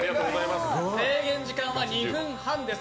制限時間は２分半です。